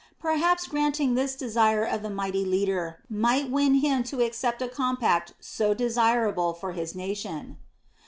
Perhaps granting this desire of the mighty leader might win him to accept a compact so desirable for his nation.